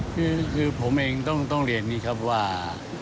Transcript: คือผมเองต้องเรียนอย่างนี้ครับว่า